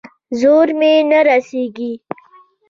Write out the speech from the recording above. زور مې نه رسېږي.